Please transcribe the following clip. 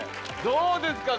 どうですか？